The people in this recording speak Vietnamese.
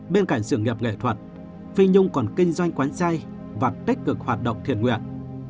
bên cạnh sự nghiệp nghệ thuật phi nhung còn kinh doanh quán chay và tích cực hoạt động thiện nguyện